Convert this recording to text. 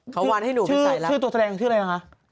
เขาวานให้หนูใส่แล้วชื่อตัวแสดงชื่ออะไรนะคะ